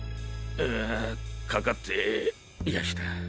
あ掛かってやした。